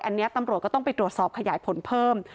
อันนี้ตำรวจก็ต้องไปตรวจสอบขยายผลเพิ่ม